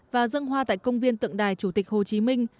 và dân hoa tại công viên tượng đài chủ tịch hồ chí minh